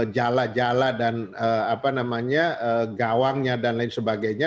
jala jala dan gawangnya dan lain sebagainya